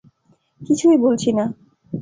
কিছুই বলছি না।